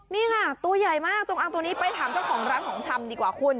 นี่ค่ะตัวใหญ่มากจงอางตัวนี้ไปถามเจ้าของร้านของชำดีกว่าคุณ